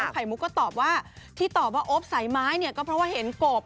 ไข่มุกก็ตอบว่าที่ตอบว่าอบสายไม้ก็เพราะว่าเห็นกบ